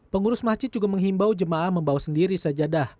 pengurus masjid juga menghimbau jemaah membawa sendiri sajadah